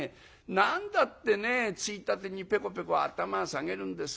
何だってね衝立にペコペコ頭下げるんですか？」。